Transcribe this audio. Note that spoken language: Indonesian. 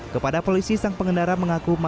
kepada polisi sang pengendara mengaku masuk kejayaan